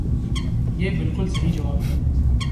یہ بلکل صحیح جواب ہے۔